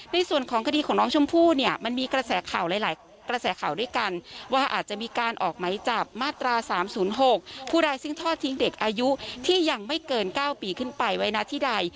ในส่วนของคดีของน้องชมพู่เนี่ยมันมีกระแสข่าวหลายกระแสข่าวด้วยกันว่าอาจจะมีการออกไหมจับมาตรา๓๐๖ผู้ใดซึ่งทอดทิ้งเด็กอายุที่ยังไม่เกิน๙ปีขึ้นไปไว้นะที่ใด